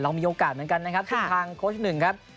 เรามีโอกาสทั้งทางโค้ชหนึ่ง